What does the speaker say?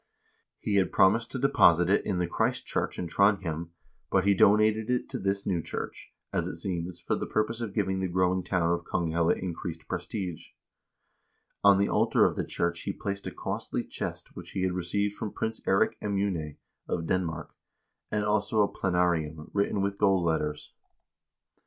He had promised to deposit it in the Christ church in Trondhjem, but he donated it to this new church, as it seems, for the purpose of giving the growing town of Konghelle increased prestige. On the altar of the church he placed a costly chest which he had received from Prince Eirik Emune of Denmark, and also a plenarium 2 written with golden letters, which 1 Ordericus Vitalis, Historia Ecclesiastica, X.